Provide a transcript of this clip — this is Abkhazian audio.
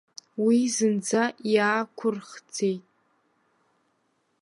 Уи зынӡа иаақәырхӡеит!